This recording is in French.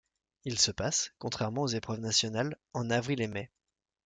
Il se passe, contrairement aux épreuves nationales, en avril et mai.